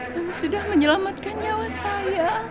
yang sudah menyelamatkan nyawa saya